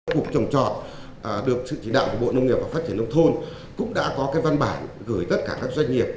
cục trồng trọt được sự chỉ đạo của bộ nông nghiệp và phát triển nông thôn cũng đã có văn bản gửi tất cả các doanh nghiệp